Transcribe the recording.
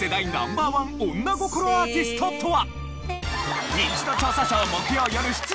１女心アーティストとは？